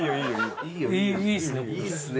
いいっすね。